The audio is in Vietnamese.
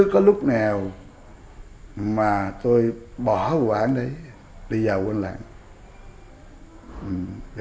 bỏ vụ án đấy đi vào quân lạc